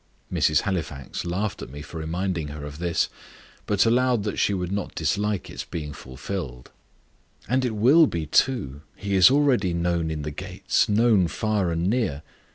'" Mrs. Halifax laughed at me for reminding her of this, but allowed that she would not dislike its being fulfilled. "And it will be too. He is already 'known in the gates'; known far and near.